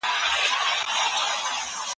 خسرو خان څوک و؟